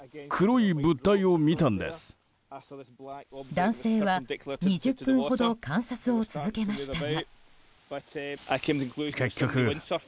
男性は２０分ほど観察を続けましたが。